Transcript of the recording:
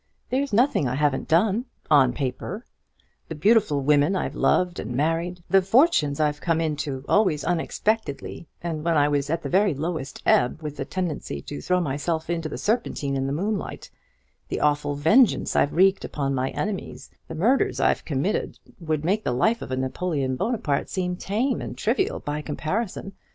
There's nothing I haven't done on paper. The beautiful women I've loved and married; the fortunes I've come into, always unexpectedly, and when I was at the very lowest ebb, with a tendency to throw myself into the Serpentine in the moonlight; the awful vengeance I've wreaked upon my enemies; the murders I've committed would make the life of a Napoleon Buonaparte seem tame and trivial by comparison.